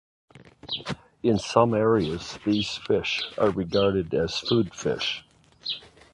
In some areas these fish are regarded as food fish.